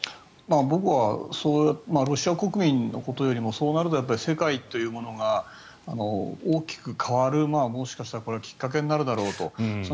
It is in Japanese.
僕はロシア国民のことよりもそうなると世界というものが大きく変わる、もしかしたらきっかけになるだろうと。